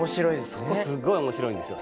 そこすっごい面白いんですよ。